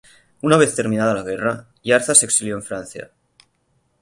Una vez terminada la guerra, Yarza se exilió en Francia.